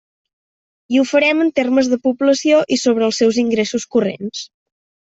I ho farem en termes de població i sobre els seus ingressos corrents.